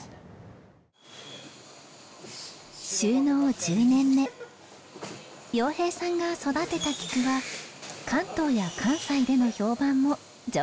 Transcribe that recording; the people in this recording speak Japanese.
就農１０年目洋平さんが育てたキクは関東や関西での評判も上々です。